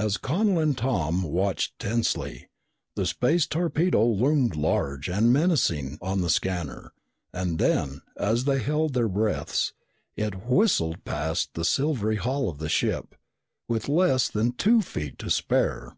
As Connel and Tom watched tensely, the space torpedo loomed large and menacing on the scanner, and then, as they held their breaths, it whistled past the silvery hull of the ship, with less than two feet to spare!